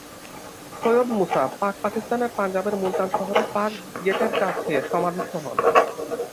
সৈয়দ মুসা পাক পাকিস্তানের পাঞ্জাবের মুলতান শহরে পাক গেটের কাছে সমাধিস্থ হন।